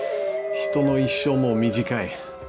人の一生も短い。